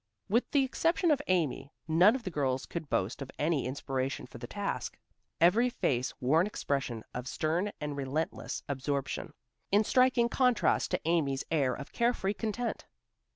With the exception of Amy, none of the girls could boast of any inspiration for the task. Every face wore an expression of stern and relentless absorption, in striking contrast to Amy's air of carefree content.